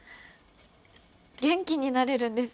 元気になれるんです。